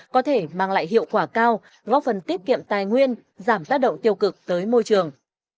có thể mang lại hiệu quả cao góp phần tiết kiệm tài nguyên giảm tác động tiêu cực tới môi trường